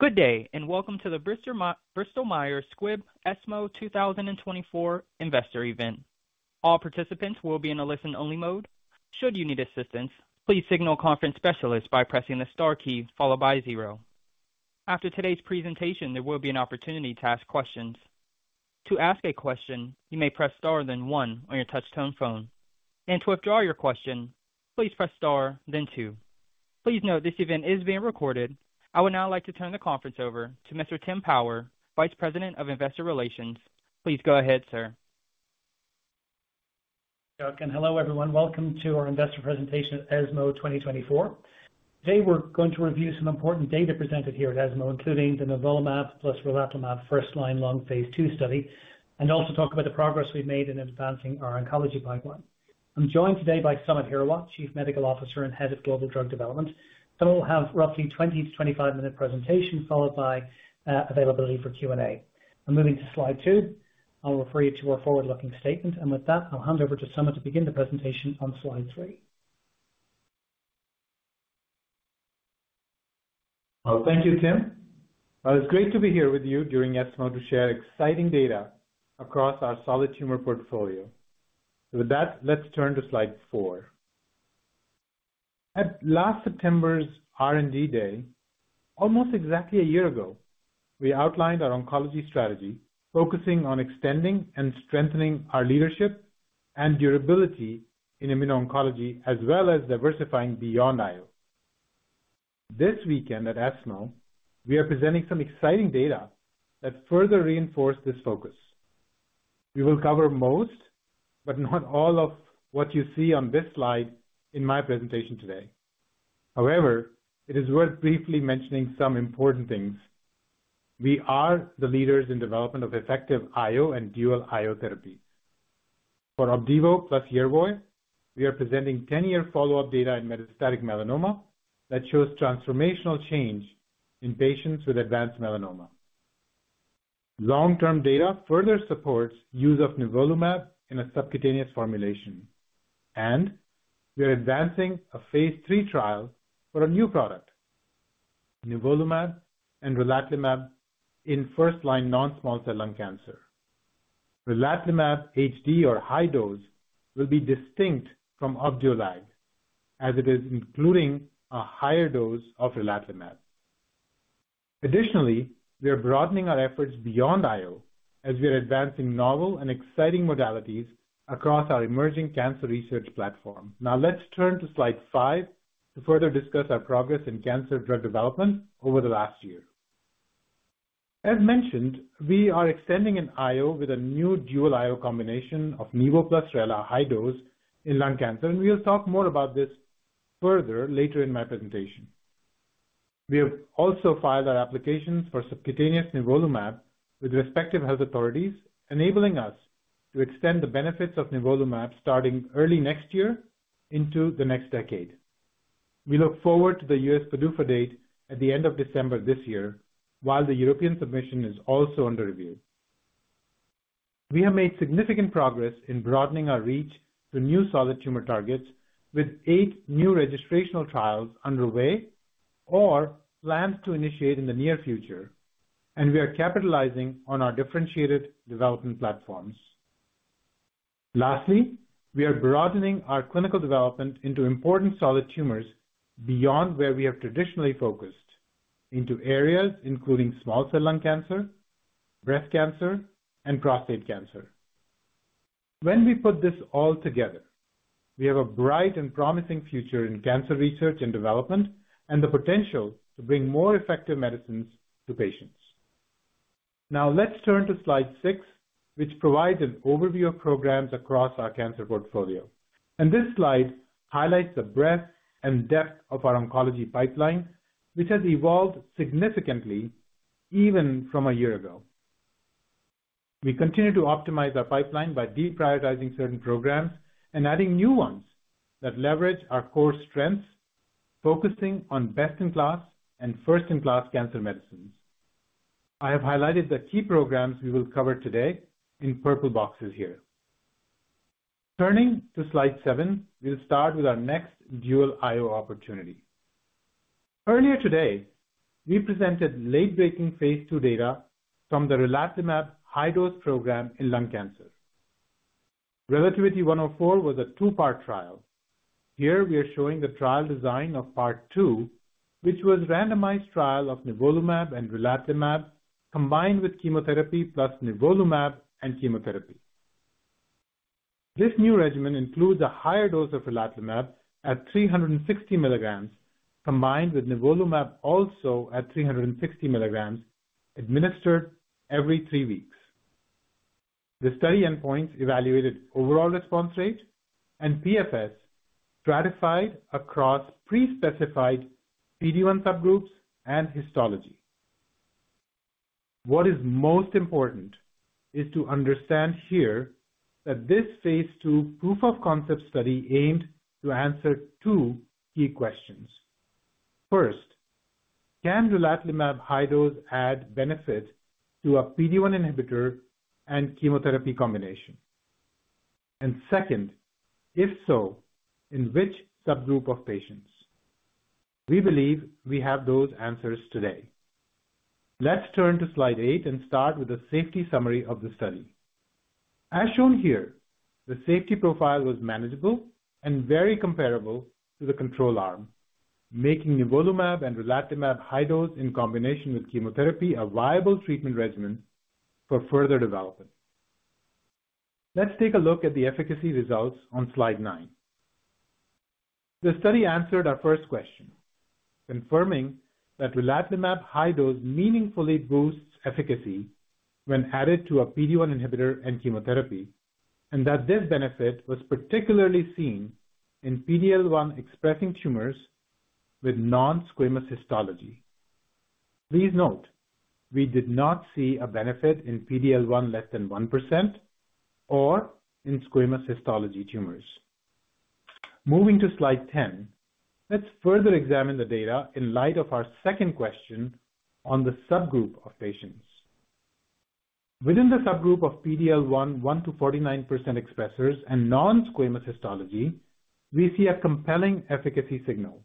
Good day, and welcome to the Bristol Myers Squibb ESMO 2024 Investor Event. All participants will be in a listen-only mode. Should you need assistance, please signal a conference specialist by pressing the star key followed by zero. After today's presentation, there will be an opportunity to ask questions. To ask a question, you may press star then one on your touchtone phone, and to withdraw your question, please press star then two. Please note this event is being recorded. I would now like to turn the conference over to Mr. Tim Power, Vice President of Investor Relations. Please go ahead, sir.... Hello, everyone. Welcome to our Investor Presentation at ESMO 2024. Today, we're going to review some important data presented here at ESMO, including the nivolumab + relatimab first-line lung Phase II study, and also talk about the progress we've made in advancing our oncology pipeline. I'm joined today by Samit Hirawat, Chief Medical Officer and Head of Global Drug Development. We'll have roughly 20-25-minute presentation, followed by availability for Q&A. I'm moving to slide two. I'll refer you to our forward-looking statement, and with that, I'll hand over to Samit to begin the presentation on slide three. Thank you, Tim. It's great to be here with you during ESMO to share exciting data across our solid tumor portfolio. With that, let's turn to slide four. At last September's R&D Day, almost exactly a year ago, we outlined our oncology strategy, focusing on extending and strengthening our leadership and durability in Immuno-Oncology, as well as diversifying beyond I-O. This weekend at ESMO, we are presenting some exciting data that further reinforce this focus. We will cover most, but not all of what you see on this slide in my presentation today. However, it is worth briefly mentioning some important things. We are the leaders in development of effective I-O and dual I-O therapy. For Opdivo + Yervoy, we are presenting 10-year follow-up data in metastatic melanoma that shows transformational change in patients with advanced melanoma. Long-term data further supports use of nivolumab in a subcutaneous formulation, and we are advancing a Phase III trial for a new product, nivolumab and relatimab, in first-line non-small cell lung cancer. Relatimab HD or high dose will be distinct from Opdualag, as it is including a higher dose of relatimab. Additionally, we are broadening our efforts beyond I-O as we are advancing novel and exciting modalities across our emerging cancer research platform. Now, let's turn to slide five to further discuss our progress in cancer drug development over the last year. As mentioned, we are extending an I-O with a new dual I-O combination of NIVO + RELA high dose in lung cancer, and we will talk more about this further later in my presentation. We have also filed our applications for subcutaneous nivolumab with respective health authorities, enabling us to extend the benefits of nivolumab starting early next year into the next decade. We look forward to the U.S. PDUFA date at the end of December this year, while the European submission is also under review. We have made significant progress in broadening our reach to new solid tumor targets with eight new registrational trials underway or plans to initiate in the near future, and we are capitalizing on our differentiated development platforms. Lastly, we are broadening our clinical development into important solid tumors beyond where we have traditionally focused, into areas including small cell lung cancer, breast cancer, and prostate cancer. When we put this all together, we have a bright and promising future in cancer research and development and the potential to bring more effective medicines to patients. Now, let's turn to slide six, which provides an overview of programs across our cancer portfolio. And this slide highlights the breadth and depth of our oncology pipeline, which has evolved significantly even from a year ago. We continue to optimize our pipeline by deprioritizing certain programs and adding new ones that leverage our core strengths, focusing on best-in-class and first-in-class cancer medicines. I have highlighted the key programs we will cover today in purple boxes here. Turning to slide seven, we'll start with our next dual I-O opportunity. Earlier today, we presented late-breaking Phase II data from the relatimab high-dose program in lung cancer. RELATIVITY-104 was a two-part trial. Here, we are showing the trial design of part two, which was randomized trial of nivolumab and relatimab, combined with chemotherapy, plus nivolumab and chemotherapy. This new regimen includes a higher dose of relatimab at 360 milligrams, combined with nivolumab, also at 360 milligrams, administered every three weeks. The study endpoints evaluated overall response rate and PFS, stratified across pre-specified PD-1 subgroups and histology. What is most important is to understand here that this phase II proof of concept study aimed to answer two key questions. First, can relatimab high dose add benefit to a PD-1 inhibitor and chemotherapy combination? And second, if so, in which subgroup of patients? We believe we have those answers today. Let's turn to slide eight and start with a safety summary of the study. As shown here, the safety profile was manageable and very comparable to the control arm, making nivolumab and relatimab high dose in combination with chemotherapy, a viable treatment regimen for further development. Let's take a look at the efficacy results on slide nine. The study answered our first question, confirming that relatimab high dose meaningfully boosts efficacy when added to a PD-1 inhibitor and chemotherapy, and that this benefit was particularly seen in PD-L1-expressing tumors with non-squamous histology. Please note, we did not see a benefit in PD-L1 less than 1% or in squamous histology tumors. Moving to slide 10, let's further examine the data in light of our second question on the subgroup of patients. Within the subgroup of PD-L1 1-49% expressers and non-squamous histology, we see a compelling efficacy signal.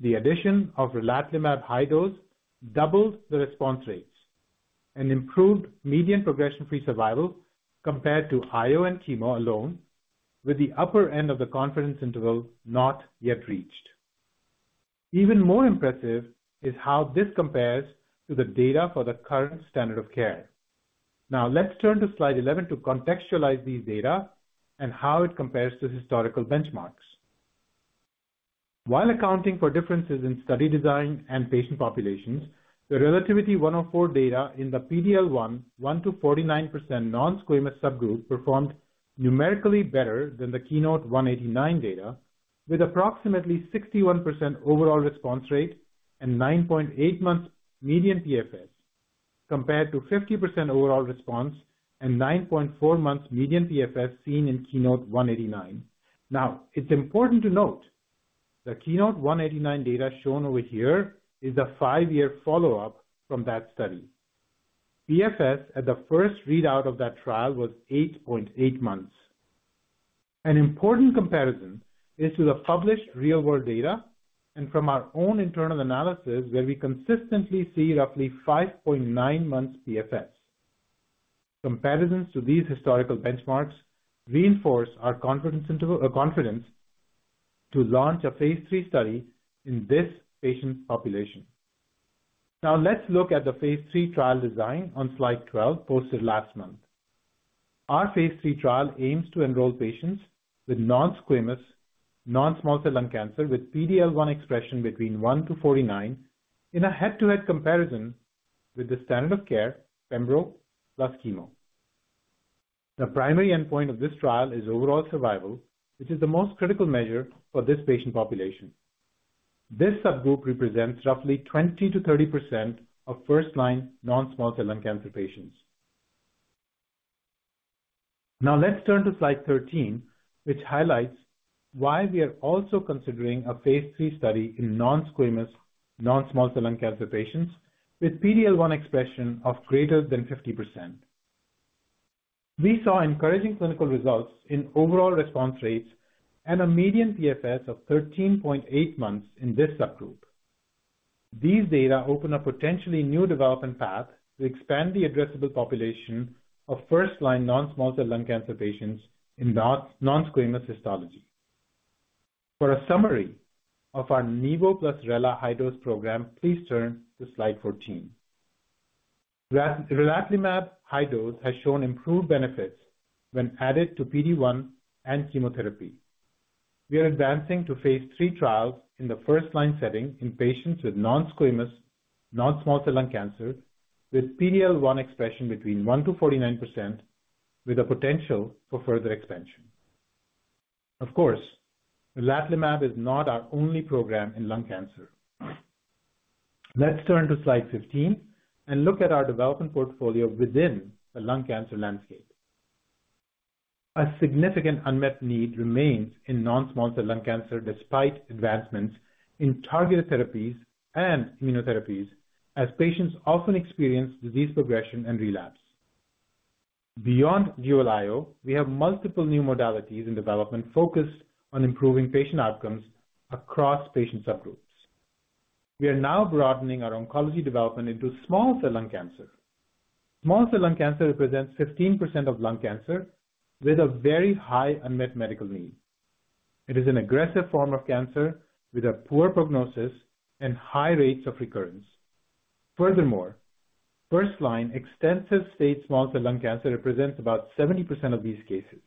The addition of relatimab high dose doubled the response rates and improved median progression-free survival compared to I-O and chemo alone, with the upper end of the confidence interval not yet reached. Even more impressive is how this compares to the data for the current standard of care. Now, let's turn to slide 11 to contextualize these data and how it compares to historical benchmarks. While accounting for differences in study design and patient populations, the RELATIVITY-104 data in the PD-L1 1-49% nonsquamous subgroup performed numerically better than the KEYNOTE-189 data, with approximately 61% overall response rate and 9.8 months median PFS, compared to 50% overall response and 9.4 months median PFS seen in KEYNOTE-189. Now, it's important to note the KEYNOTE-189 data shown over here is a five-year follow-up from that study. PFS at the first readout of that trial was 8.8 months. An important comparison is to the published real-world data and from our own internal analysis, where we consistently see roughly 5.9 months PFS. Comparisons to these historical benchmarks reinforce our confidence to launch a Phase III Study in this patient population. Now, let's look at the Phase III Trial design on slide 12, posted last month. Our Phase III Trial aims to enroll patients with non-squamous, non-small cell lung cancer, with PD-L1 expression between 1-49, in a head-to-head comparison with the standard of care, pembro plus chemo. The primary endpoint of this trial is overall survival, which is the most critical measure for this patient population. This subgroup represents roughly 20%-30% of first-line non-small cell lung cancer patients. Now, let's turn to slide 13, which highlights why we are also considering a Phase III study in non-squamous, non-small cell lung cancer patients with PD-L1 expression of greater than 50%. We saw encouraging clinical results in overall response rates and a median PFS of 13.8 months in this subgroup. These data open a potentially new development path to expand the addressable population of first-line non-small cell lung cancer patients in non-squamous histology. For a summary of our NIVO + RELA high dose program, please turn to slide 14. Relatimab high dose has shown improved benefits when added to PD-1 and chemotherapy. We are advancing to Phase III trials in the first line setting in patients with non-squamous, non-small cell lung cancer, with PD-L1 expression between 1 to 49%, with a potential for further expansion. Of course, relatimab is not our only program in lung cancer. Let's turn to slide 15 and look at our development portfolio within the lung cancer landscape. A significant unmet need remains in non-small cell lung cancer, despite advancements in targeted therapies and immunotherapies, as patients often experience disease progression and relapse. Beyond dual I-O, we have multiple new modalities in development focused on improving patient outcomes across patient subgroups. We are now broadening our oncology development into small cell lung cancer. Small cell lung cancer represents 15% of lung cancer, with a very high unmet medical need. It is an aggressive form of cancer with a poor prognosis and high rates of recurrence. Furthermore, first-line extensive-stage small cell lung cancer represents about 70% of these cases.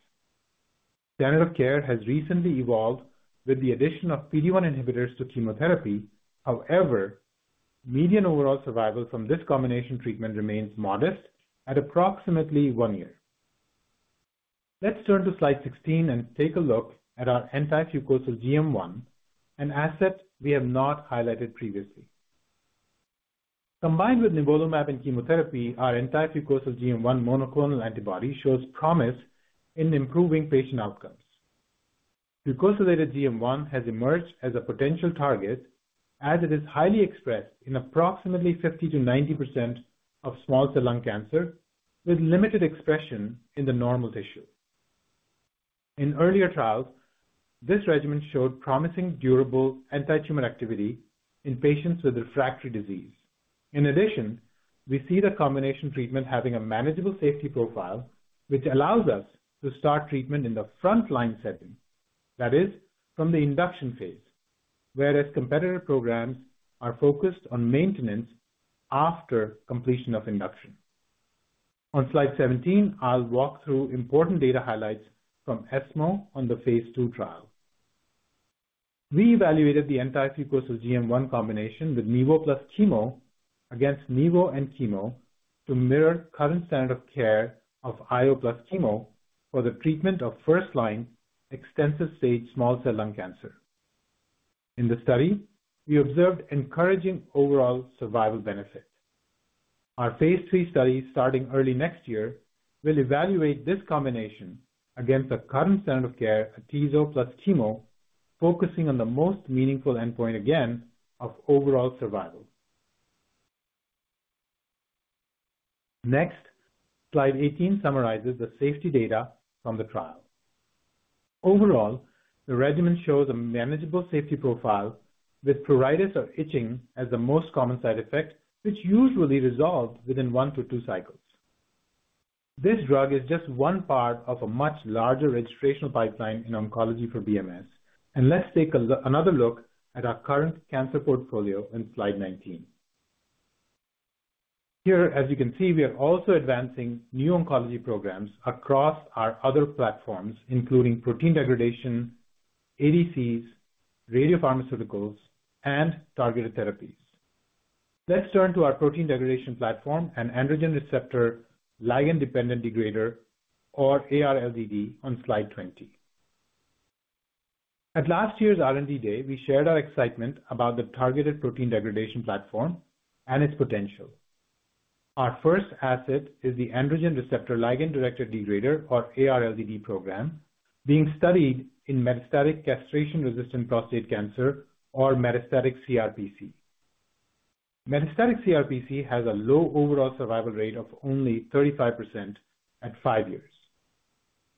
Standard of care has recently evolved with the addition of PD-1 inhibitors to chemotherapy. However, median overall survival from this combination treatment remains modest at approximately one year. Let's turn to slide 16 and take a look at our anti-fucosyl-GM1, an asset we have not highlighted previously. Combined with nivolumab and chemotherapy, our anti-fucosyl-GM1 monoclonal antibody shows promise in improving patient outcomes. Fucosyl-GM1 has emerged as a potential target, as it is highly expressed in approximately 50%-90% of small cell lung cancer, with limited expression in the normal tissue. In earlier trials, this regimen showed promising, durable anti-tumor activity in patients with refractory disease. In addition, we see the combination treatment having a manageable safety profile, which allows us to start treatment in the frontline setting, that is, from the induction Phase. Whereas competitor programs are focused on maintenance after completion of induction. On slide 17, I'll walk through important data highlights from ESMO on the Phase II Trial. We evaluated the anti-fucosyl-GM1 combination with nivo + chemo against nivo and chemo to mirror current standard of care of I-O + chemo for the treatment of first-line extensive stage small cell lung cancer. In the study, we observed encouraging overall survival benefit. Our Phase III Study, starting early next year, will evaluate this combination against the current standard of care, atezo + chemo, focusing on the most meaningful endpoint again, of overall survival. Next, slide 18 summarizes the safety data from the trial. Overall, the regimen shows a manageable safety profile, with pruritus or itching as the most common side effect, which usually resolves within one to two cycles. This drug is just one part of a much larger registrational pipeline in oncology for BMS, and let's take another look at our current cancer portfolio on slide 19. Here, as you can see, we are also advancing new oncology programs across our other platforms, including protein degradation, ADCs, radiopharmaceuticals, and targeted therapies. Let's turn to our protein degradation platform and androgen receptor ligand-directed degrader, or ARLDD, on slide 20. At last year's R&D Day, we shared our excitement about the targeted protein degradation platform and its potential. Our first asset is the androgen receptor ligand-directed degrader, or ARLDD program, being studied in metastatic castration-resistant prostate cancer, or metastatic CRPC. Metastatic CRPC has a low overall survival rate of only 35% at five years.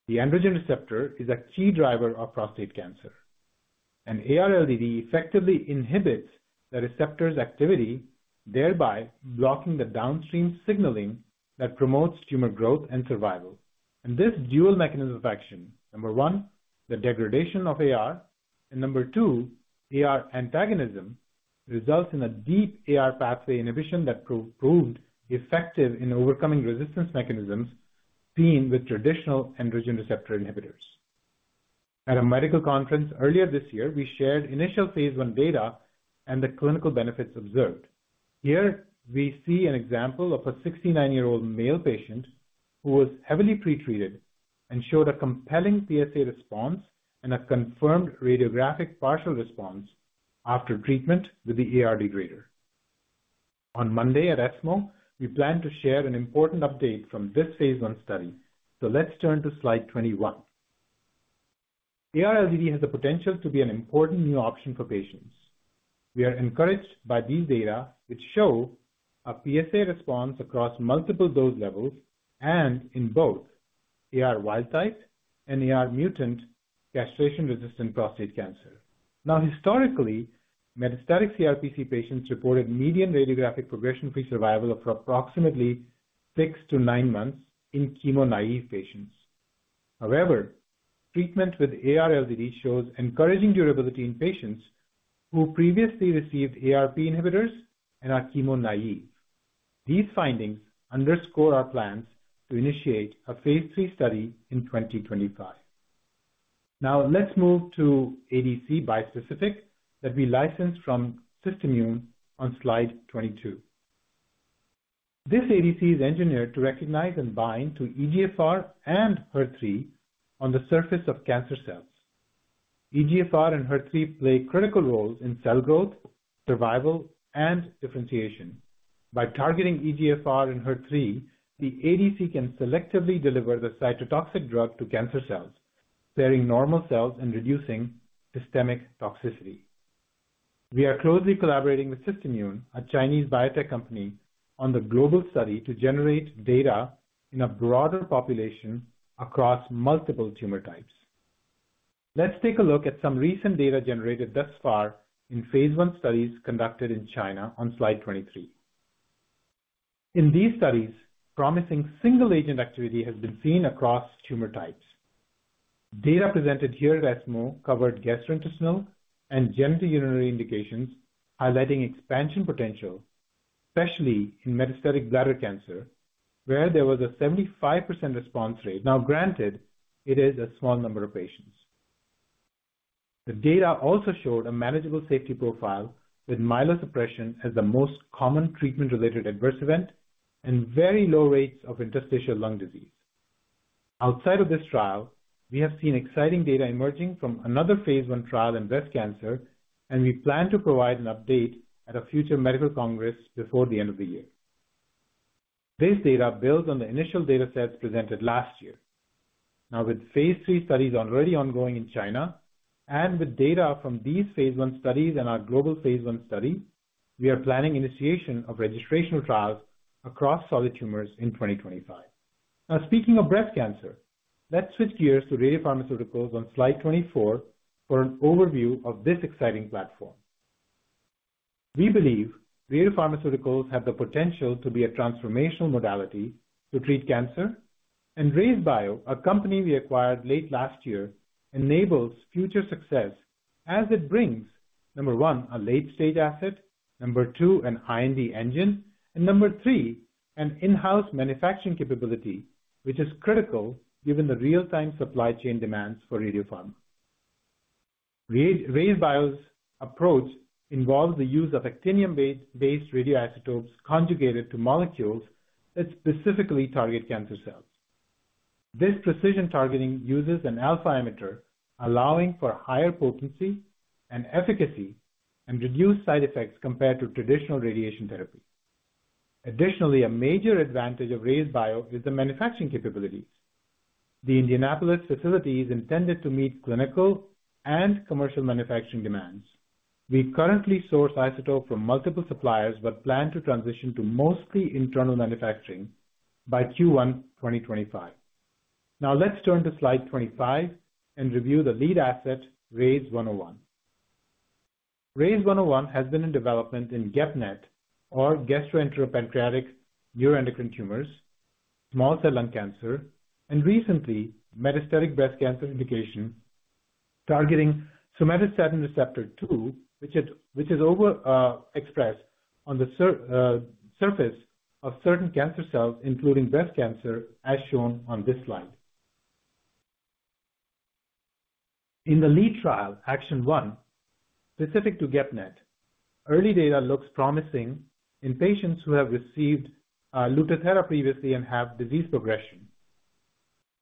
The androgen receptor is a key driver of prostate cancer, and AR LDD effectively inhibits the receptor's activity, thereby blocking the downstream signaling that promotes tumor growth and survival. And this dual mechanism of action, number one, the degradation of AR, and number two, AR antagonism, results in a deep AR pathway inhibition that proved effective in overcoming resistance mechanisms seen with traditional androgen receptor inhibitors. At a medical conference earlier this year, we shared initial Phase I data and the clinical benefits observed. Here, we see an example of a 69-year-old male patient who was heavily pretreated and showed a compelling PSA response and a confirmed radiographic partial response after treatment with the AR degrader. On Monday at ESMO, we plan to share an important update from this Phase I Study. So let's turn to slide 21. AR LDD has the potential to be an important new option for patients. We are encouraged by these data, which show a PSA response across multiple dose levels and in both AR wild type and AR mutant castration-resistant prostate cancer. Now historically, metastatic CRPC patients reported median radiographic progression-free survival of approximately six to nine months in chemo-naive patients. However, treatment with ARLDD shows encouraging durability in patients who previously received ARP inhibitors and are chemo naive. These findings underscore our plans to initiate a Phase III Study in 2025. Now, let's move to ADC bispecific that we licensed from SystImmune on slide 22. This ADC is engineered to recognize and bind to EGFR and HER3 on the surface of cancer cells. EGFR and HER3 play critical roles in cell growth, survival, and differentiation. By targeting EGFR and HER3, the ADC can selectively deliver the cytotoxic drug to cancer cells, sparing normal cells and reducing systemic toxicity. We are closely collaborating with SystImmune, a Chinese biotech company, on the global study to generate data in a broader population across multiple tumor types. Let's take a look at some recent data generated thus far in Phase I Studies conducted in China on slide 23. In these studies, promising single-agent activity has been seen across tumor types. Data presented here at ESMO covered gastrointestinal and genitourinary indications, highlighting expansion potential, especially in metastatic bladder cancer, where there was a 75% response rate. Now, granted, it is a small number of patients. The data also showed a manageable safety profile, with myelosuppression as the most common treatment-related adverse event and very low rates of interstitial lung disease. Outside of this trial, we have seen exciting data emerging from another Phase I trial in breast cancer, and we plan to provide an update at a future medical congress before the end of the year... This data builds on the initial data sets presented last year. Now, with Phase III studies already ongoing in China, and with data from these Phase I studies and our global Phase I study, we are planning initiation of registrational trials across solid tumors in 2025. Now, speaking of breast cancer, let's switch gears to radiopharmaceuticals on Slide 24 for an overview of this exciting platform. We believe radiopharmaceuticals have the potential to be a transformational modality to treat cancer, and RayzeBio, a company we acquired late last year, enables future success as it brings, number one, a late-stage asset, number two, an IND engine, and number three, an in-house manufacturing capability, which is critical given the real-time supply chain demands for radiopharm. RayzeBio, RayzeBio's approach involves the use of actinium-based radioisotopes conjugated to molecules that specifically target cancer cells. This precision targeting uses an alpha emitter, allowing for higher potency and efficacy and reduced side effects compared to traditional radiation therapy. Additionally, a major advantage of RayzeBio is the manufacturing capability. The Indianapolis facility is intended to meet clinical and commercial manufacturing demands. We currently source isotope from multiple suppliers, but plan to transition to mostly internal manufacturing by Q1 2025. Now let's turn to Slide 25 and review the lead asset, RYZ101. RYZ101 has been in development in GEP-NET, or gastroenteropancreatic neuroendocrine tumors, small cell lung cancer, and recently, metastatic breast cancer indication, targeting somatostatin receptor-two, which is overexpressed on the surface of certain cancer cells, including breast cancer, as shown on this slide. In the lead trial, ACTION-1, specific to GEP-NET, early data looks promising in patients who have received Lutathera previously and have disease progression.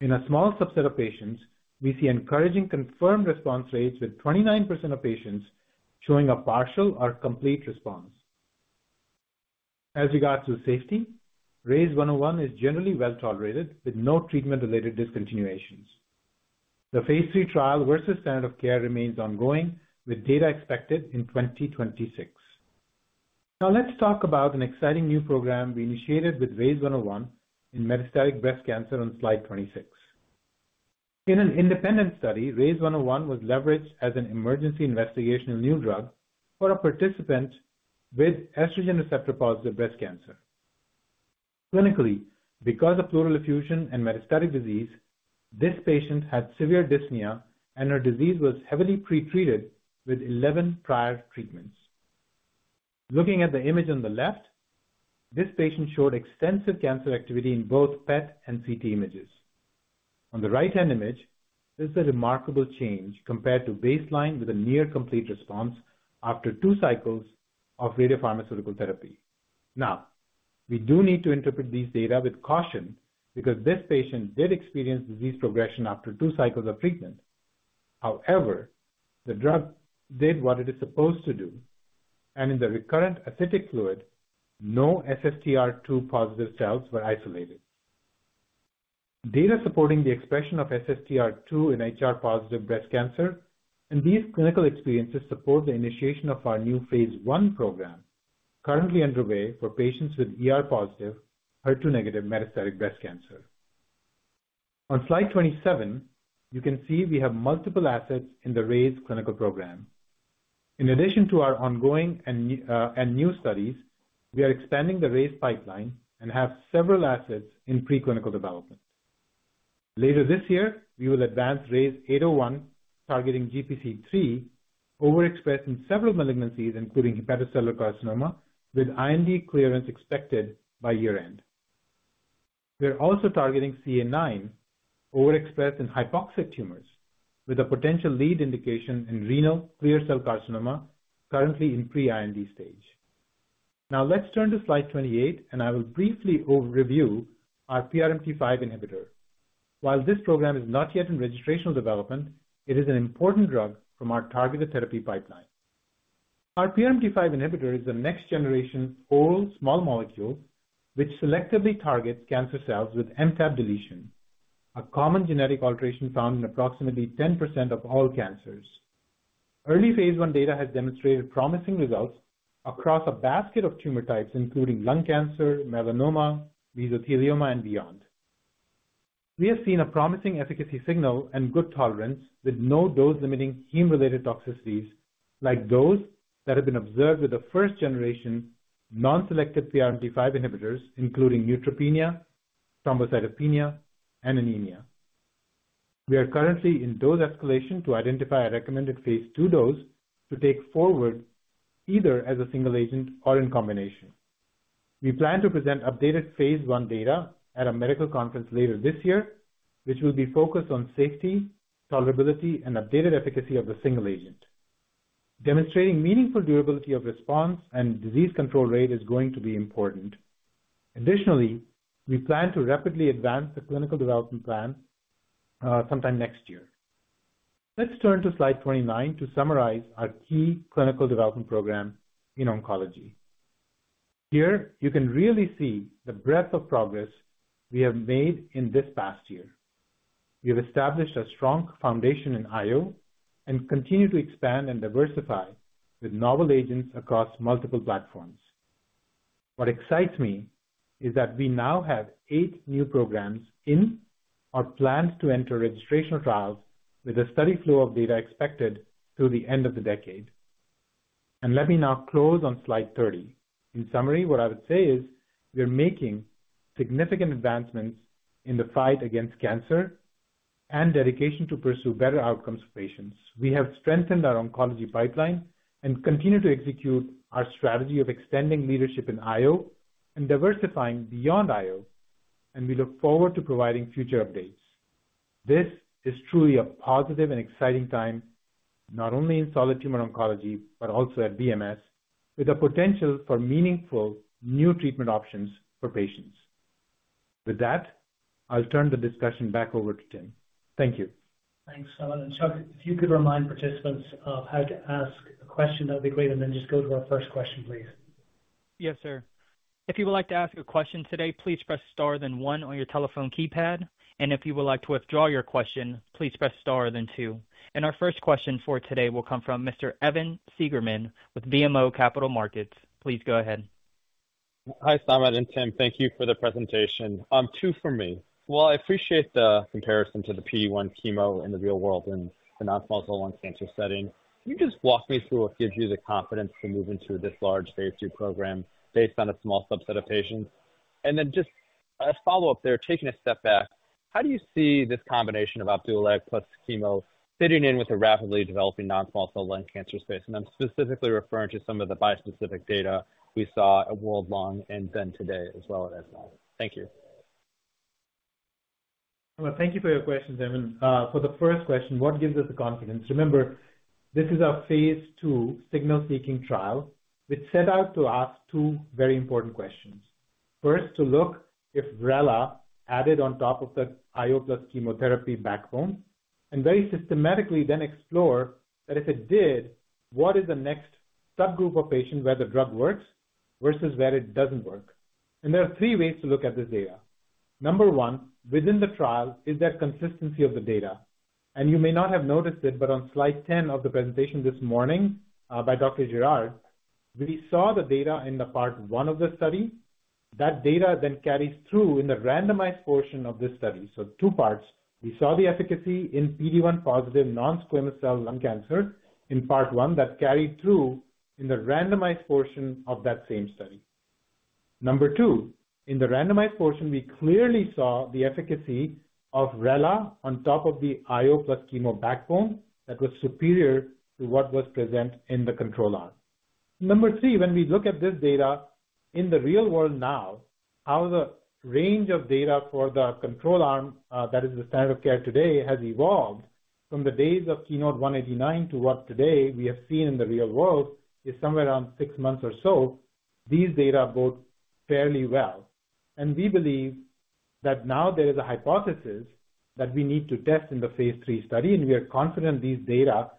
In a small subset of patients, we see encouraging confirmed response rates, with 29% of patients showing a partial or complete response. As regards to safety, RYZ101 is generally well-tolerated, with no treatment-related discontinuations. The Phase III Trial vs standard of care remains ongoing, with data expected in 2026. Now, let's talk about an exciting new program we initiated with RYZ101 in metastatic breast cancer on Slide 26. In an independent study, RYZ101 was leveraged as an emergency investigational new drug for a participant with estrogen receptor-positive breast cancer. Clinically, because of pleural effusion and metastatic disease, this patient had severe dyspnea, and her disease was heavily pretreated with 11 prior treatments. Looking at the image on the left, this patient showed extensive cancer activity in both PET and CT images. On the right-hand image, this is a remarkable change compared to baseline, with a near complete response after two cycles of radiopharmaceutical therapy. Now, we do need to interpret these data with caution, because this patient did experience disease progression after two cycles of treatment. However, the drug did what it is supposed to do, and in the recurrent ascitic fluid, no SSTR2-positive cells were isolated. Data supporting the expression of SSTR2 in HR-positive breast cancer and these clinical experiences support the initiation of our new phase I program, currently underway for patients with ER positive, HER2 negative metastatic breast cancer. On Slide 27, you can see we have multiple assets in the Rayze clinical program. In addition to our ongoing and new studies, we are expanding the Rayze pipeline and have several assets in preclinical development. Later this year, we will advance RYZ801, targeting GPC3, overexpressed in several malignancies, including hepatocellular carcinoma, with IND clearance expected by year-end. We are also targeting CA9, overexpressed in hypoxic tumors, with a potential lead indication in renal clear cell carcinoma, currently in pre-IND stage. Now let's turn to Slide 28, and I will briefly overview our PRMT5 inhibitor. While this program is not yet in registrational development, it is an important drug from our targeted therapy pipeline. Our PRMT5 inhibitor is the next generation oral small molecule, which selectively targets cancer cells with MTAP deletion, a common genetic alteration found in approximately 10% of all cancers. Early phase I data has demonstrated promising results across a basket of tumor types, including lung cancer, melanoma, mesothelioma, and beyond. We have seen a promising efficacy signal and good tolerance, with no dose-limiting hematologic toxicities like those that have been observed with the first generation non-selective PRMT5 inhibitors, including neutropenia, thrombocytopenia, and anemia. We are currently in dose escalation to identify a recommended phase II dose to take forward, either as a single agent or in combination. We plan to present updated Phase I data at a medical conference later this year, which will be focused on safety, tolerability, and updated efficacy of the single agent. Demonstrating meaningful durability of response and disease control rate is going to be important. Additionally, we plan to rapidly advance the clinical development plan sometime next year. Let's turn to slide 29 to summarize our key clinical development program in oncology. Here, you can really see the breadth of progress we have made in this past year. We have established a strong foundation in I-O, and continue to expand and diversify with novel agents across multiple platforms. What excites me is that we now have eight new programs in, or planned to enter registrational trials, with a steady flow of data expected through the end of the decade. Let me now close on slide 30. In summary, what I would say is, we're making significant advancements in the fight against cancer and dedication to pursue better outcomes for patients. We have strengthened our oncology pipeline and continue to execute our strategy of extending leadership in I-O and diversifying beyond I-O, and we look forward to providing future updates. This is truly a positive and exciting time, not only in solid tumor oncology, but also at BMS, with the potential for meaningful new treatment options for patients. With that, I'll turn the discussion back over to Tim. Thank you. Thanks, Samit. And Chuck, if you could remind participants of how to ask a question, that would be great, and then just go to our first question, please. Yes, sir. If you would like to ask a question today, please press star then one on your telephone keypad, and if you would like to withdraw your question, please press star then two. And our first question for today will come from Mr. Evan Seigerman with BMO Capital Markets. Please go ahead. Hi, Samit and Tim. Thank you for the presentation. Two for me. While I appreciate the comparison to the PD-1 chemo in the real world in the non-small cell lung cancer setting, can you just walk me through what gives you the confidence to move into this large Phase II program based on a small subset of patients? And then just a follow-up there, taking a step back, how do you see this combination of Opdualag + chemo fitting in with the rapidly developing non-small cell lung cancer space? And I'm specifically referring to some of the bispecific data we saw at WCLC and then today as well as that. Thank you. Thank you for your question, Evan. For the first question, what gives us the confidence? Remember, this is our Phase II signal-seeking trial, which set out to ask two very important questions. First, to look if Rela added on top of the I-O + chemotherapy backbone, and very systematically then explore that if it did, what is the next subgroup of patients where the drug works versus where it doesn't work. There are three ways to look at this data. Number one, within the trial, is there consistency of the data? You may not have noticed it, but on slide 10 of the presentation this morning by Dr. Girard, we saw the data in part one of the study. That data then carries through in the randomized portion of this study: two parts. We saw the efficacy in PD-1 positive non-small cell lung cancer in part one. That carried through in the randomized portion of that same study. Number two, in the randomized portion, we clearly saw the efficacy of RELA on top of the I-O + chemo backbone that was superior to what was present in the control arm. Number three, when we look at this data in the real world now, how the range of data for the control arm, that is the standard of care today, has evolved from the days of KEYNOTE-189 to what today we have seen in the real world, is somewhere around six months or so, these data bodes fairly well. And we believe that now there is a hypothesis that we need to test in the Phase III Study, and we are confident these data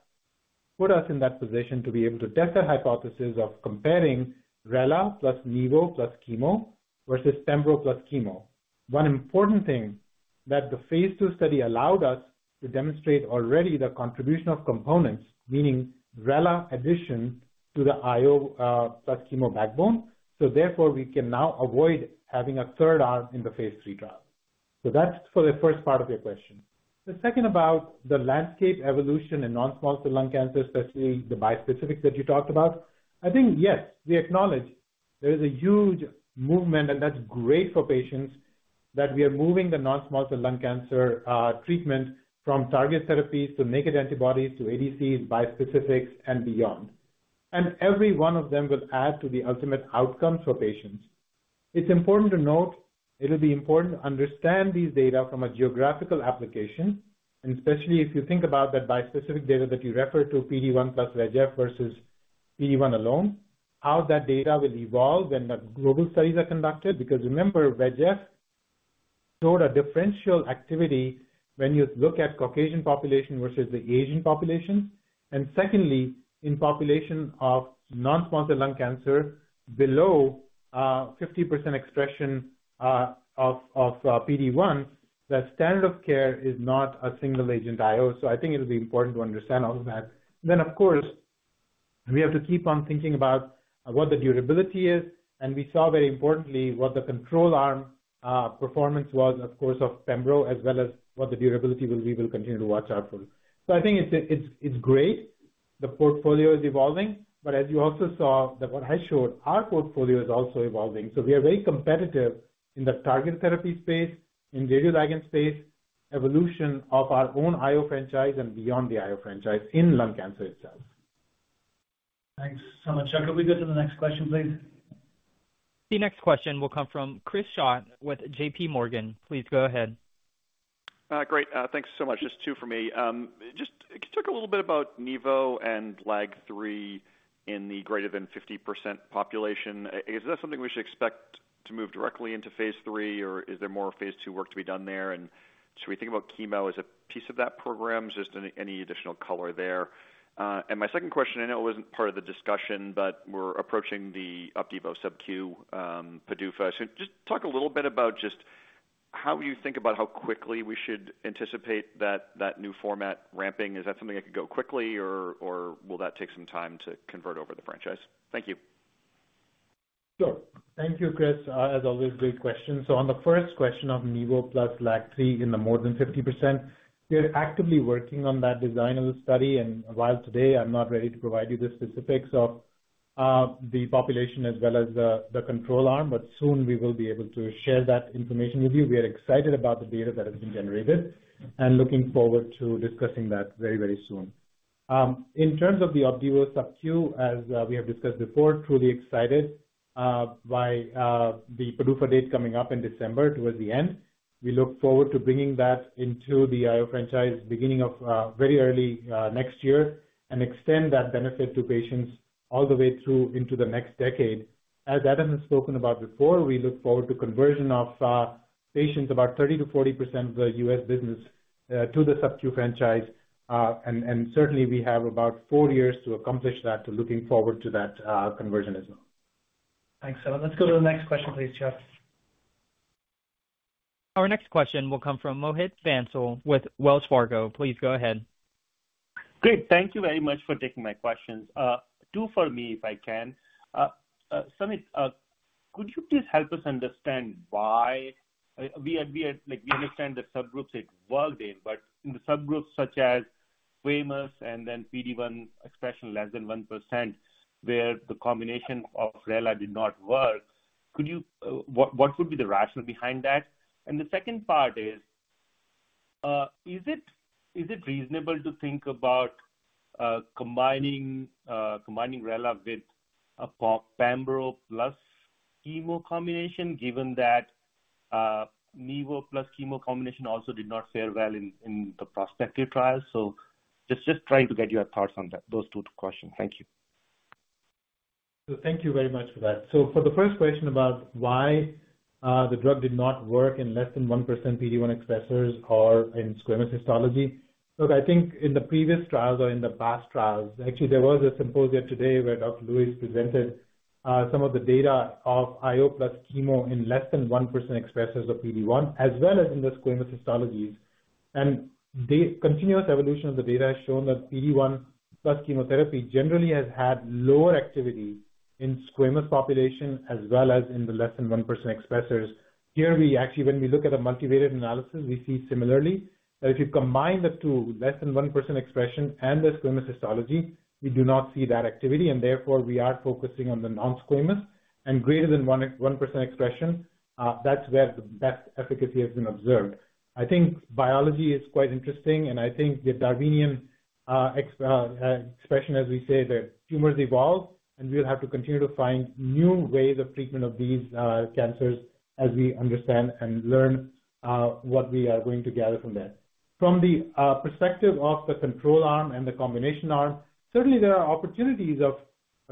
put us in that position to be able to test the hypothesis of comparing RELA + NIVO + chemo vs pembro + chemo. One important thing, that the Phase II Study allowed us to demonstrate already the contribution of components, meaning RELA addition to the I-O + chemo backbone. So therefore, we can now avoid having a third arm in the Phase III Trial. So that's for the first part of your question. The second about the landscape evolution in non-small cell lung cancer, especially the bispecific that you talked about. I think, yes, we acknowledge there is a huge movement, and that's great for patients, that we are moving the non-small cell lung cancer treatment from target therapies to naked antibodies, to ADCs, bispecifics and beyond. And every one of them will add to the ultimate outcomes for patients. It's important to note, it will be important to understand these data from a geographical application, and especially if you think about the bispecific data that you referred to, PD-1 + VEGF vs PD-1 alone, how that data will evolve when the global studies are conducted. Because remember, VEGF showed a differential activity when you look at Caucasian population vs the Asian population, and secondly, in population of non-small cell lung cancer below 50% expression of PD-1, the standard of care is not a single agent I-O. So I think it will be important to understand all of that. Then, of course, we have to keep on thinking about what the durability is, and we saw very importantly, what the control arm performance was, of course, of Pembro, as well as what the durability will be, we'll continue to watch out for. So I think it's great. The portfolio is evolving, but as you also saw that what I showed, our portfolio is also evolving. So we are very competitive in the target therapy space, in radiodiagnostics space, evolution of our own I-O franchise and beyond the I-O franchise in lung cancer itself. Thanks so much. Chuck, could we go to the next question, please? The next question will come from Chris Schott with JPMorgan. Please go ahead. Great. Thanks so much. Just two for me. Just can you talk a little bit about NIVO and LAG-3 in the greater than 50% population? Is that something we should expect to move directly into Phase III, or is there more Phase II work to be done there? And should we think about chemo as a piece of that program? Just any additional color there. And my second question, I know it wasn't part of the discussion, but we're approaching the Opdivo Sub-Q PDUFA. So just talk a little bit about just how you think about how quickly we should anticipate that new format ramping. Is that something that could go quickly or will that take some time to convert over the franchise? Thank you. Sure. Thank you, Chris. As always, great question. So on the first question of NIVO + LAG-3 in the more than 50%, we are actively working on that design of the study, and while today I'm not ready to provide you the specifics of the population as well as the control arm, but soon we will be able to share that information with you. We are excited about the data that has been generated and looking forward to discussing that very, very soon. In terms of the Opdivo Sub-Q, as we have discussed before, truly excited by the PDUFA date coming up in December towards the end. We look forward to bringing that into the I-O franchise, beginning of very early next year and extend that benefit to patients all the way through into the next decade. As Adam has spoken about before, we look forward to conversion of patients about 30%-40% of the U.S. business to the Sub-Q franchise, and certainly we have about 4 years to accomplish that, so looking forward to that conversion as well. Thanks. So let's go to the next question, please, Chuck. Our next question will come from Mohit Bansal with Wells Fargo. Please go ahead. Great, thank you very much for taking my questions. Two for me, if I can. Samit, could you please help us understand why- like, we understand the subgroups it worked in, but in the subgroups such as squamous and then PD-1 expression, less than 1%, where the combination of RELA did not work, could you... What would be the rationale behind that? And the second part is, is it reasonable to think about combining RELA with a pembro + chemo combination, given that NIVO + chemo combination also did not fare well in the prospective trials? So just trying to get your thoughts on that. Those two questions. Thank you. Thank you very much for that. For the first question about why the drug did not work in less than 1% PD-1 expressers or in squamous histology. Look, I think in the previous trials or in the past trials, actually, there was a symposium today where Dr. Luis presented some of the data of I-O + chemo in less than 1% expressers of PD-1, as well as in the squamous histologies. The continuous evolution of the data has shown that PD-1 + chemotherapy generally has had lower activity in squamous population as well as in the less than 1% expressers. Here, we actually, when we look at a multivariate analysis, we see similarly, that if you combine the two, less than 1% expression and the squamous histology, we do not see that activity, and therefore we are focusing on the non-squamous. And greater than 1% expression, that's where the best efficacy has been observed. I think biology is quite interesting, and I think the Darwinian expression, as we say, that tumors evolve, and we'll have to continue to find new ways of treatment of these cancers as we understand and learn what we are going to gather from that. From the perspective of the control arm and the combination arm, certainly there are opportunities of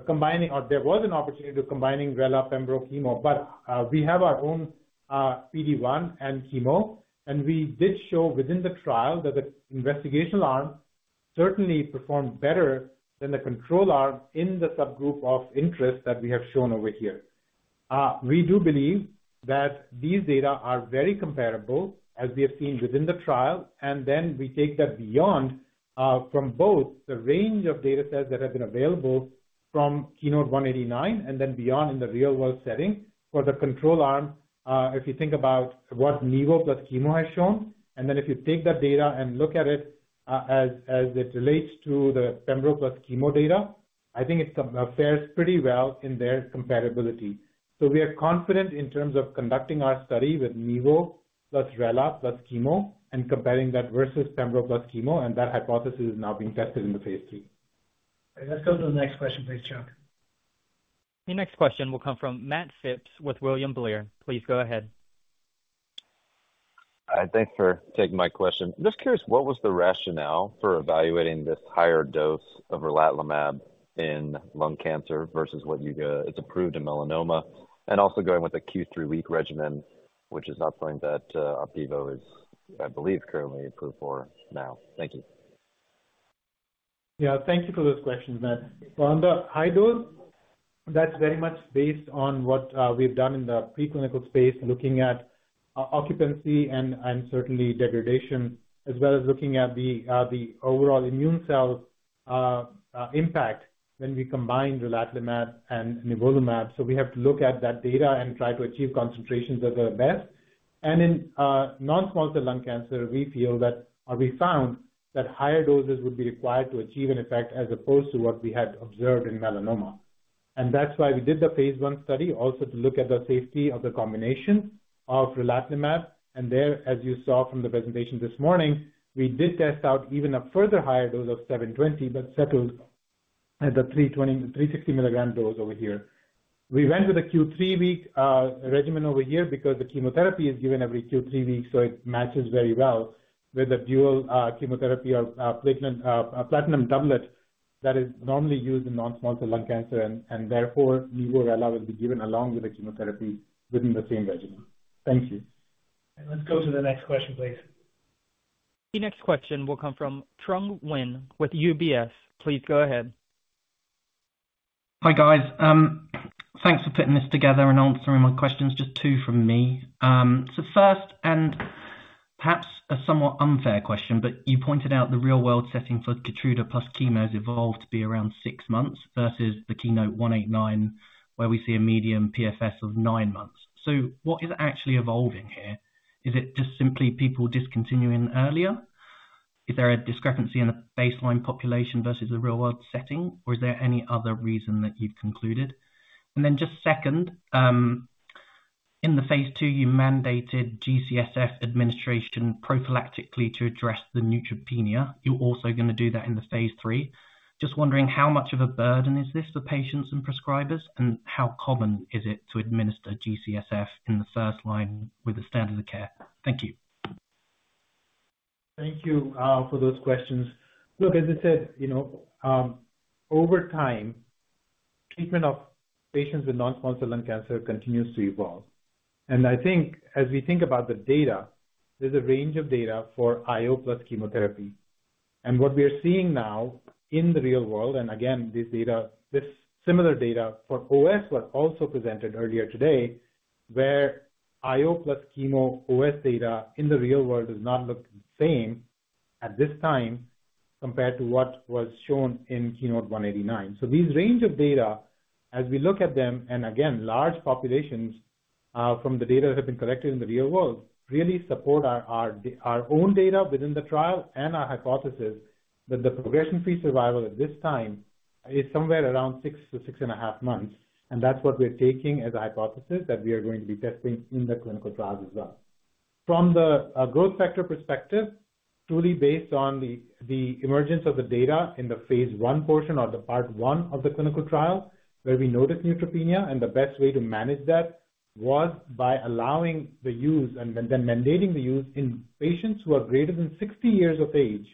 combining or there was an opportunity to combining RELA pembro chemo, but we have our own PD-1 and chemo, and we did show within the trial that the investigational arm certainly performed better than the control arm in the subgroup of interest that we have shown over here. We do believe that these data are very comparable, as we have seen within the trial, and then we take that beyond from both the range of data sets that have been available from KEYNOTE-189 and then beyond in the real-world setting. For the control arm, if you think about what NIVO + chemo has shown, and then if you take that data and look at it, as it relates to the pembro + chemo data, I think it fares pretty well in their compatibility. So we are confident in terms of conducting our study with NIVO + RELA + chemo and comparing that vs pembro + chemo, and that hypothesis is now being tested in the Phase III. Let's go to the next question, please, Chuck. The next question will come from Matt Phipps with William Blair. Please go ahead. Thanks for taking my question. Just curious, what was the rationale for evaluating this higher dose of relatimab in lung cancer vs what you, it's approved in melanoma? And also going with a Q3 week regimen, which is not something that, Opdivo is, I believe, currently approved for now. Thank you. Yeah. Thank you for those questions, Matt. So on the high dose, that's very much based on what we've done in the preclinical space, looking at RO occupancy and certainly degradation, as well as looking at the overall immune cell impact when we combine relatimab and nivolumab. So we have to look at that data and try to achieve concentrations that are best. And in non-small cell lung cancer, we feel that, or we found that higher doses would be required to achieve an effect, as opposed to what we had observed in melanoma. And that's why we did the phase I study, also to look at the safety of the combination of relatimab. There, as you saw from the presentation this morning, we did test out even a further higher dose of 720, but settled at the 320, 360 milligram dose over here. We went with a Q3 week regimen over here because the chemotherapy is given every Q3 weeks, so it matches very well with the dual chemotherapy of platinum doublet that is normally used in non-small cell lung cancer, and therefore, NIVO-RELA will be given along with the chemotherapy within the same regimen. Thank you. Let's go to the next question, please. The next question will come from Trung Huynh with UBS. Please go ahead. Hi, guys. Thanks for putting this together and answering my questions. Just two from me. So first, and perhaps a somewhat unfair question, but you pointed out the real-world setting for Keytruda + chemo has evolved to be around six months versus the KEYNOTE-189, where we see a median PFS of nine months. So what is actually evolving here? Is it just simply people discontinuing earlier? Is there a discrepancy in the baseline population vs the real-world setting, or is there any other reason that you've concluded? And then just second, in the Phase II, you mandated G-CSF administration prophylactically to address the neutropenia. You're also going to do that in the Phase III. Just wondering how much of a burden is this to patients and prescribers, and how common is it to administer G-CSF in the first line with the standard of care? Thank you. Thank you for those questions. Look, as I said, you know, over time, treatment of patients with non-small cell lung cancer continues to evolve. And I think as we think about the data, there's a range of data for I-O + chemotherapy. And what we are seeing now in the real world, and again, this data, this similar data for OS were also presented earlier today, where I-O + chemo OS data in the real world does not look the same at this time compared to what was shown in KEYNOTE-189. So these range of data, as we look at them, and again, large populations, from the data that have been collected in the real world, really support our own data within the trial and our hypothesis that the progression-free survival at this time is somewhere around six to six and a half months. And that's what we're taking as a hypothesis that we are going to be testing in the clinical trials as well. From the growth factor perspective, truly based on the emergence of the data in the Phase I portion or the part 1 of the clinical trial, where we noticed neutropenia, and the best way to manage that was by allowing the use and then mandating the use in patients who are greater than 60 years of age.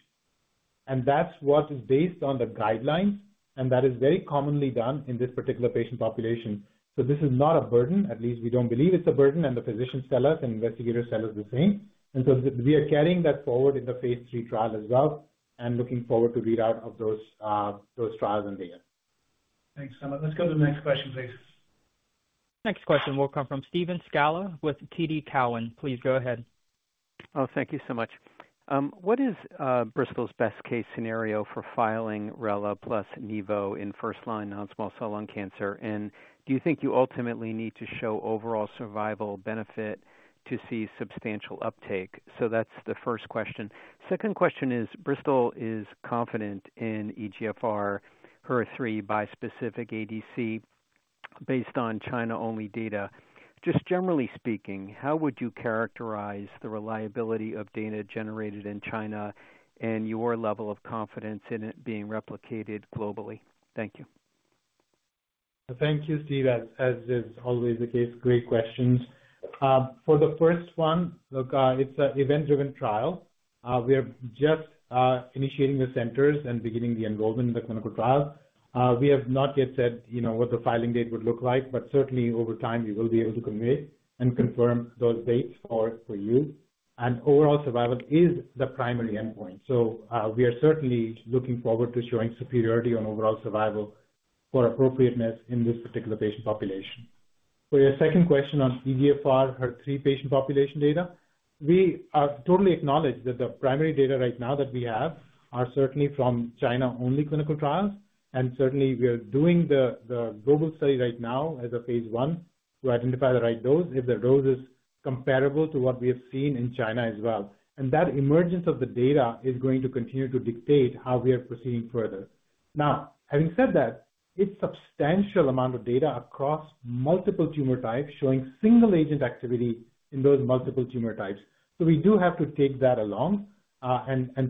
And that's what is based on the guidelines, and that is very commonly done in this particular patient population. So this is not a burden. At least we don't believe it's a burden, and the physicians tell us and investigators tell us the same. And so we are carrying that forward in the Phase III trial as well and looking forward to readout of those trials and data. Thanks so much. Let's go to the next question, please. Next question will come from Steve Scala with TD Cowen. Please go ahead. Oh, thank you so much. What is Bristol's best case scenario for filing RELA + NIVO in first-line non-small cell lung cancer? And do you think you ultimately need to show overall survival benefit to see substantial uptake? So that's the first question. Second question is, Bristol is confident in EGFR HER3 bispecific ADC based on China-only data. Just generally speaking, how would you characterize the reliability of data generated in China and your level of confidence in it being replicated globally? Thank you. Thank you, Steve. As is always the case, great questions. For the first one, look, it's an event-driven trial. We are just initiating the centers and beginning the enrollment in the clinical trial. We have not yet said, you know, what the filing date would look like, but certainly, over time, we will be able to convey and confirm those dates for you. Overall survival is the primary endpoint. We are certainly looking forward to showing superiority on overall survival for appropriateness in this particular patient population. For your second question on EGFR x HER3 patient population data, we totally acknowledge that the primary data right now that we have are certainly from China-only clinical trials, and certainly we are doing the global study right now as a Phase I to identify the right dose, if the dose is comparable to what we have seen in China as well, and that emergence of the data is going to continue to dictate how we are proceeding further. Now, having said that, it's substantial amount of data across multiple tumor types, showing single agent activity in those multiple tumor types, so we do have to take that along.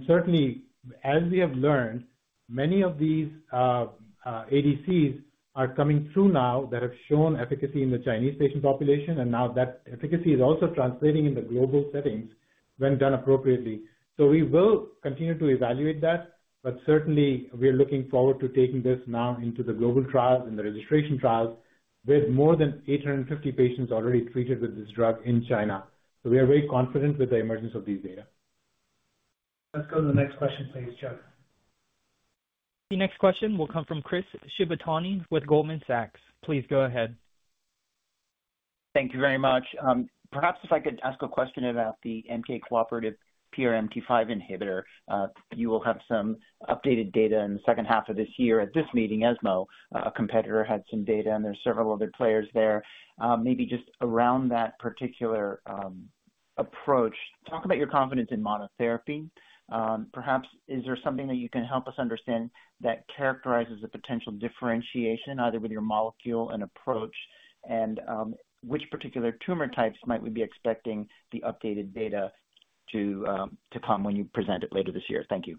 Certainly, as we have learned, many of these ADCs are coming through now that have shown efficacy in the Chinese patient population, and now that efficacy is also translating in the global settings when done appropriately, so we will continue to evaluate that, but certainly, we are looking forward to taking this now into the global trials and the registration trials. With more than 850 patients already treated with this drug in China, so we are very confident with the emergence of these data. Let's go to the next question, please, Chuck. The next question will come from Chris Shibutani with Goldman Sachs. Please go ahead. Thank you very much. Perhaps if I could ask a question about the MTAP cooperative PRMT5 inhibitor. You will have some updated data in the second half of this year. At this meeting, ESMO, a competitor, had some data, and there are several other players there. Maybe just around that particular approach, talk about your confidence in monotherapy. Perhaps is there something that you can help us understand that characterizes the potential differentiation, either with your molecule and approach? And which particular tumor types might we be expecting the updated data to come when you present it later this year? Thank you.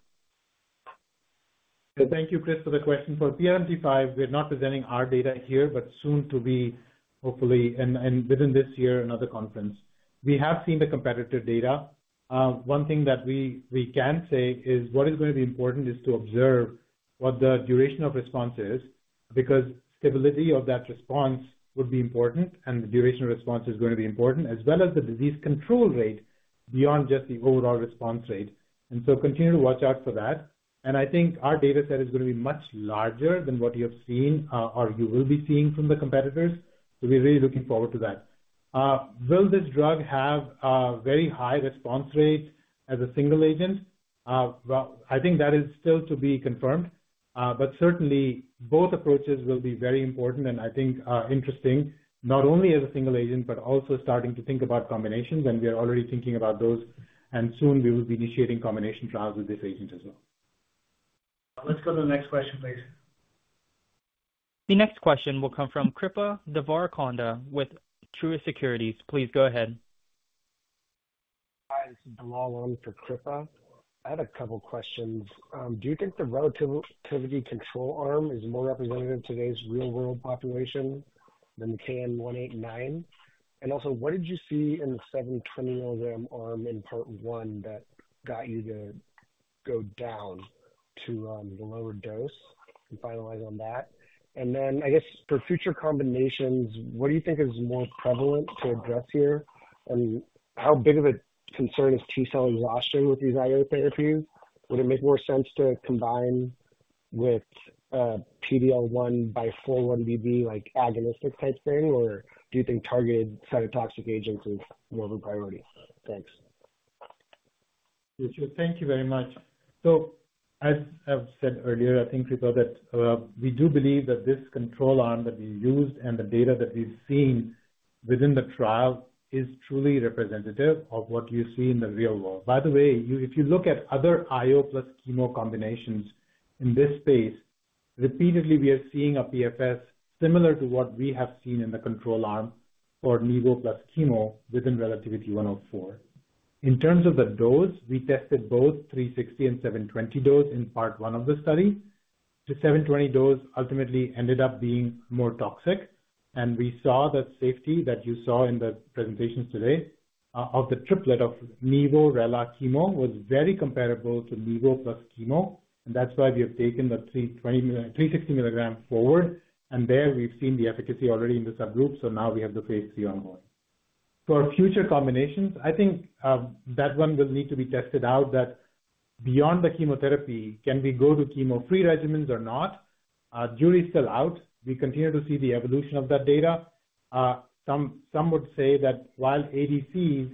Thank you, Chris, for the question. For PRMT5, we're not presenting our data here, but soon to be, hopefully, and within this year, another conference. We have seen the competitive data. One thing that we can say is what is going to be important is to observe what the duration of response is, because stability of that response would be important, and the duration of response is going to be important, as well as the disease control rate beyond just the overall response rate. And so continue to watch out for that. And I think our data set is going to be much larger than what you have seen, or you will be seeing from the competitors. So we're really looking forward to that. Will this drug have a very high response rate as a single agent? I think that is still to be confirmed, but certainly both approaches will be very important and I think interesting, not only as a single agent, but also starting to think about combinations, and we are already thinking about those, and soon we will be initiating combination trials with this agent as well. Let's go to the next question, please. The next question will come from Kripa Devarakonda with Truist Securities. Please go ahead. Hi, this is Leong for Kripa. I have a couple questions. Do you think the Relativity control arm is more representative of today's real-world population than the KN 189? And also, what did you see in the 720 milligram arm in part one that got you to go down to the lower dose and finalize on that? And then, I guess for future combinations, what do you think is more prevalent to address here? And how big of a concern is T cell exhaustion with these I-O therapies? Would it make more sense to combine with PD-L1 by 4-1BB, like, agonistic type thing, or do you think targeted cytotoxic agents is more of a priority? Thanks. Thank you very much. So as I've said earlier, I think, Lalong, that we do believe that this control arm that we used and the data that we've seen within the trial is truly representative of what you see in the real world. By the way, you, if you look at other I-O + chemo combinations in this space, repeatedly, we are seeing a PFS similar to what we have seen in the control arm for NIVO + chemo within RELATIVITY-104. In terms of the dose, we tested both 360 and 720 dose in part one of the study. The 720 dose ultimately ended up being more toxic, and we saw that safety that you saw in the presentations today, of the triplet of NIVO RELA chemo was very comparable to NIVO + chemo, and that's why we have taken the 320 mil 360 milligrams forward. And there we've seen the efficacy already in the subgroup, so now we have the Phase III ongoing. For future combinations, I think, that one will need to be tested out, that beyond the chemotherapy, can we go to chemo-free regimens or not? Jury is still out. We continue to see the evolution of that data. Some would say that while ADCs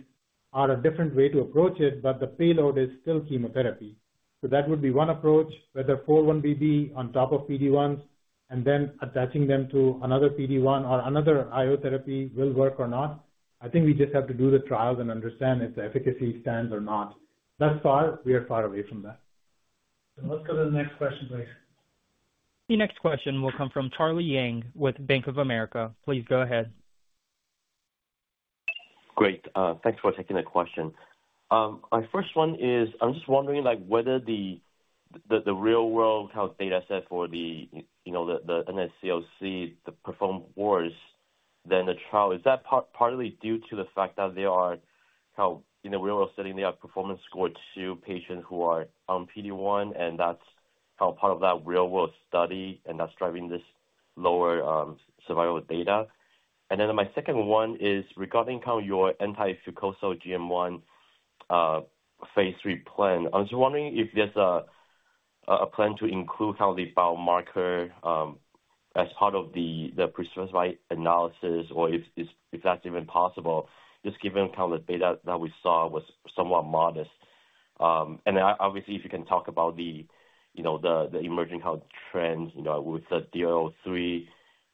are a different way to approach it, but the payload is still chemotherapy. So that would be one approach, whether 4-1BB on top of PD-1, and then attaching them to another PD-1 or another I-O therapy will work or not. I think we just have to do the trials and understand if the efficacy stands or not. Thus far, we are far away from that. Let's go to the next question, please. The next question will come from Charlie Yang with Bank of America. Please go ahead. Great. Thanks for taking the question. My first one is, I'm just wondering, like, whether the real-world kind of data set for the, you know, the NSCLC performed worse than the trial. Is that partly due to the fact that in the real world setting, they have performance score two patients who are on PD-1, and that's part of that real-world study, and that's driving this lower survival data? And then my second one is regarding your anti-fucosyl-GM1 Phase III plan. I'm just wondering if there's a plan to include the biomarker as part of the pre-specified analysis or if that's even possible, just given how the data that we saw was somewhat modest. And obviously, if you can talk about the, you know, the emerging I-O trends, you know, with the DLL3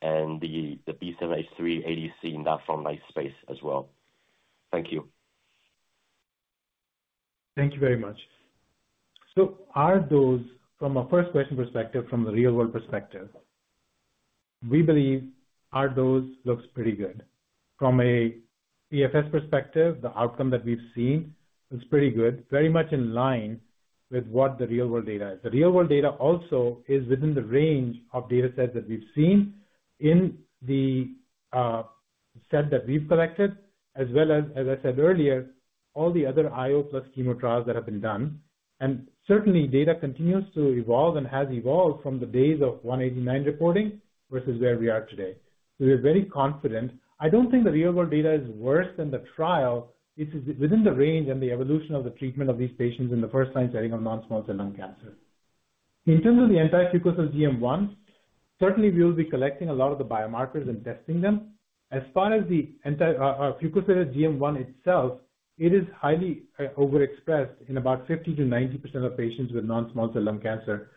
and the B7-H3 ADC in that front-line space as well. Thank you. Thank you very much. So our dose, from a first question perspective, from the real-world perspective, we believe our dose looks pretty good. From a PFS perspective, the outcome that we've seen is pretty good, very much in line with what the real-world data is. The real-world data also is within the range of data sets that we've seen in the set that we've collected, as well as, as I said earlier, all the other I-O + chemo trials that have been done. And certainly, data continues to evolve and has evolved from the days of 189 reporting vs where we are today. So we're very confident. I don't think the real-world data is worse than the trial. It is within the range and the evolution of the treatment of these patients in the first-line setting of non-small cell lung cancer. In terms of the anti-fucosyl-GM1, certainly we will be collecting a lot of the biomarkers and testing them. As far as the anti-fucosyl-GM1 itself, it is highly overexpressed in about 50%-90% of patients with non-small cell lung cancer.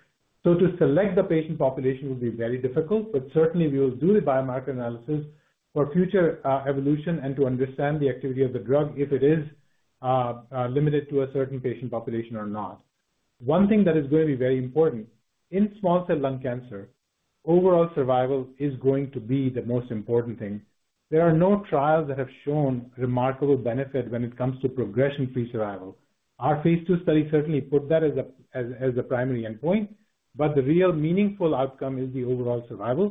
So to select the patient population will be very difficult, but certainly we will do the biomarker analysis for future evolution and to understand the activity of the drug, if it is limited to a certain patient population or not. One thing that is going to be very important, in small cell lung cancer, overall survival is going to be the most important thing. There are no trials that have shown remarkable benefit when it comes to progression-free survival. Our Phase II Study certainly put that as a primary endpoint, but the real meaningful outcome is the overall survival....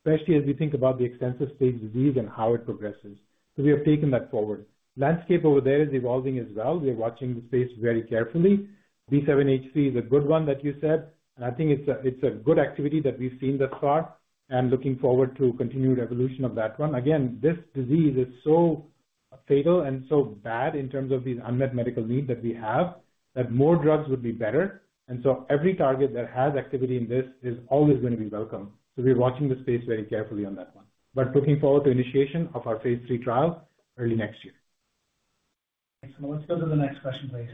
especially as we think about the extensive stage disease and how it progresses. We have taken that forward. Landscape over there is evolving as well. We are watching the space very carefully. B7-H3 is a good one that you said, and I think it's a good activity that we've seen thus far, and looking forward to continued evolution of that one. Again, this disease is so fatal and so bad in terms of these unmet medical needs that we have, that more drugs would be better. Every target that has activity in this is always going to be welcome. We're watching the space very carefully on that one, but looking forward to initiation of our Phase III Trial early next year. So let's go to the next question, please.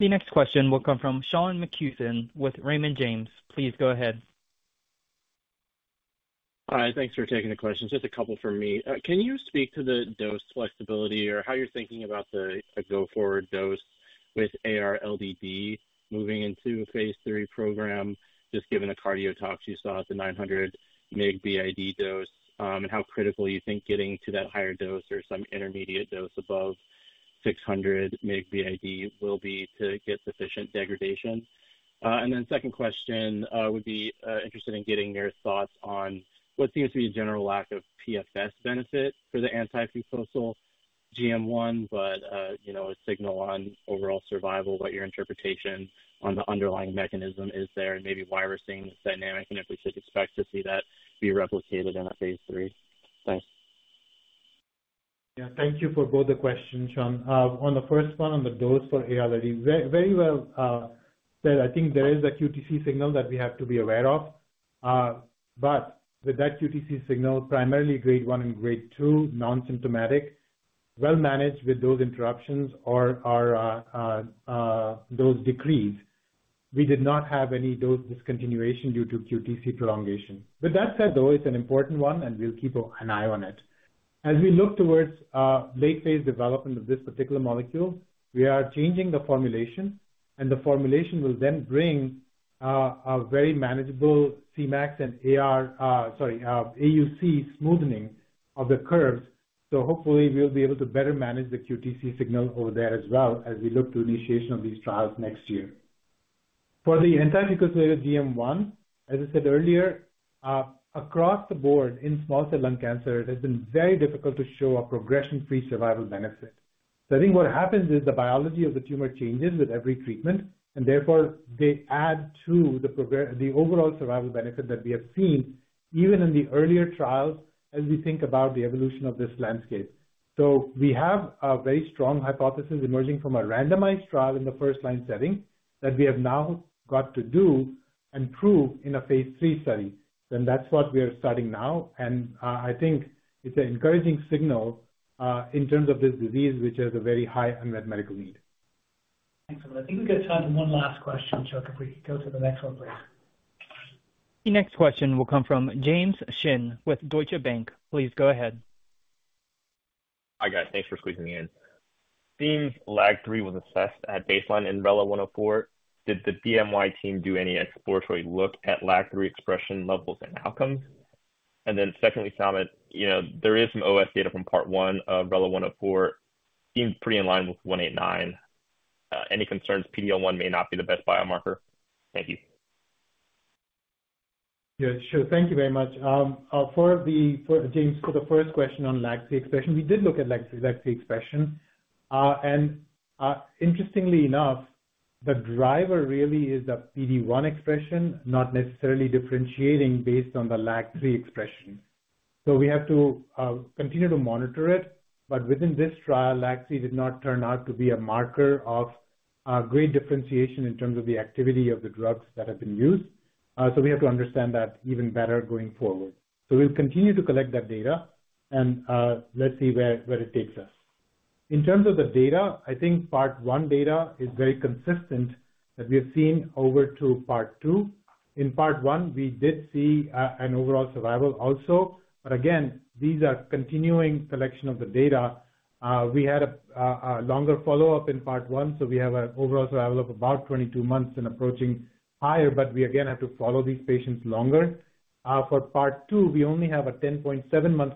The next question will come from Sean McCutcheon with Raymond James. Please go ahead. Hi, thanks for taking the questions. Just a couple from me. Can you speak to the dose flexibility or how you're thinking about the go-forward dose with AR LDD moving into Phase III program, just given the cardiotoxicity you saw at the 900 mg BID dose? And how critical you think getting to that higher dose or some intermediate dose above 600 mg BID will be to get sufficient degradation? And then second question, would be interested in getting your thoughts on what seems to be a general lack of PFS benefit for the anti-fucosyl-GM1, but you know, a signal on overall survival, what your interpretation on the underlying mechanism is there, and maybe why we're seeing this dynamic, and if we should expect to see that be replicated in a Phase III? Thanks. Yeah, thank you for both the questions, Sean. On the first one, on the dose for AR LDD, very, very well said, I think there is a QTc signal that we have to be aware of, but with that QTc signal, primarily Grade 1 and Grade 2, non-symptomatic, well managed with those interruptions or dose reductions. We did not have any dose discontinuation due to QTc prolongation. With that said, though, it is an important one and we will keep an eye on it. As we look towards late phase development of this particular molecule, we are changing the formulation, and the formulation will then bring a very manageable Cmax and AUC smoothing of the curves. So hopefully we'll be able to better manage the QTc signal over there as well, as we look to initiation of these trials next year. For the anti-fucosyl-GM1, as I said earlier, across the board in small cell lung cancer, it has been very difficult to show a progression-free survival benefit. So I think what happens is the biology of the tumor changes with every treatment, and therefore, they add to the overall survival benefit that we have seen even in the earlier trials, as we think about the evolution of this landscape. So we have a very strong hypothesis emerging from a randomized trial in the first line setting, that we have now got to do and prove in a Phase III study. Then that's what we are studying now, and, I think it's an encouraging signal, in terms of this disease, which has a very high unmet medical need. Excellent. I think we've got time for one last question, Chuck, if we could go to the next one, please. The next question will come from James Shin with Deutsche Bank. Please go ahead. Hi, guys. Thanks for squeezing me in. Seeing LAG-3 was assessed at baseline in RELATIVITY-104, did the BMS team do any exploratory look at LAG-3 expression levels and outcomes? And then secondly, Samit, you know, there is some OS data from part one of RELATIVITY-104, seems pretty in line with 189. Any concerns PD-L1 may not be the best biomarker? Thank you. Yeah, sure. Thank you very much. James, for the first question on LAG-3 expression, we did look at LAG-3 expression. And interestingly enough, the driver really is a PD-1 expression, not necessarily differentiating based on the LAG-3 expression. So we have to continue to monitor it, but within this trial, LAG-3 did not turn out to be a marker of great differentiation in terms of the activity of the drugs that have been used. So we have to understand that even better going forward. So we'll continue to collect that data, and let's see where it takes us. In terms of the data, I think part one data is very consistent that we have seen over to part two. In part one, we did see an overall survival also, but again, these are continuing collection of the data. We had a longer follow-up in part one, so we have an overall survival of about 22 months and approaching higher, but we again have to follow these patients longer. For part two, we only have a 10.7-month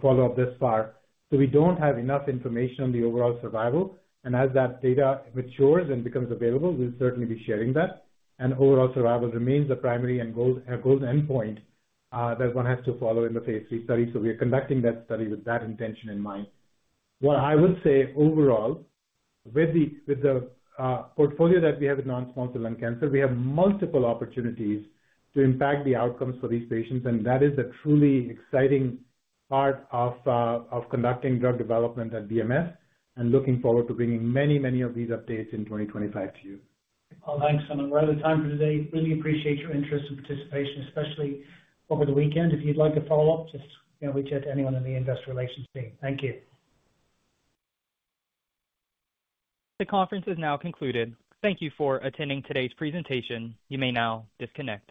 follow-up this far, so we don't have enough information on the overall survival, and as that data matures and becomes available, we'll certainly be sharing that. Overall survival remains the primary and gold endpoint that one has to follow in the Phase III Study. We are conducting that study with that intention in mind. What I would say overall, with the portfolio that we have with non-small cell lung cancer, we have multiple opportunities to impact the outcomes for these patients, and that is a truly exciting part of conducting drug development at BMS, and looking forward to bringing many, many of these updates in 2025 to you. Thanks, Samit. We're out of time for today. Really appreciate your interest and participation, especially over the weekend. If you'd like to follow up, just, you know, reach out to anyone in the investor relations team. Thank you. The conference is now concluded. Thank you for attending today's presentation. You may now disconnect.